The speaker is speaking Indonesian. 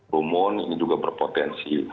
rumun ini juga berpotensi